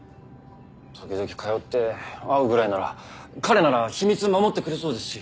時々通って会うぐらいなら彼なら秘密守ってくれそうですし。